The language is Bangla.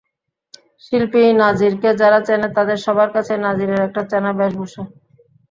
শিল্পী নাজিরকে যাঁরা চেনে, তাদের সবার কাছেই নাজিরের একটা চেনা বেশভূষা।